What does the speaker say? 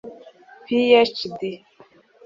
PhD